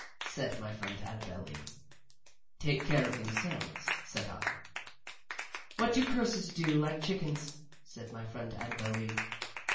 said my friend Annabel Lee. "Take care of themselves," said I. "What do curses do, like chickens?" said my friend Annabel Lee.